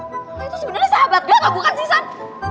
lo itu sebenernya sahabat gue gak bukan susan